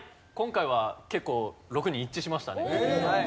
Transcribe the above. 今回は結構６人一致しましたね。